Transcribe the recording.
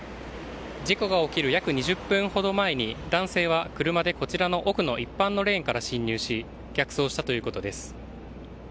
事故が起きる約２０分ほど前に男性は車で、こちらの奥の一般のレーンから進入し逆走したということです。